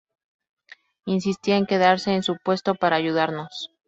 Insistía en quedarse en su puesto para ayudarnos.